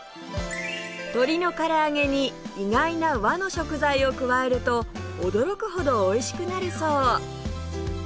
鶏のから揚げに意外な和の食材を加えると驚くほどおいしくなるそう！